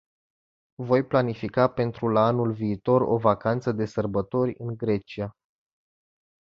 Voi planifica pentru la anul viitor o vacanță de sărbători în Grecia.